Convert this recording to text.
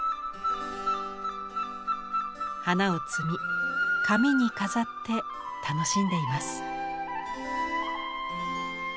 花を摘み髪に飾って楽しんでいます。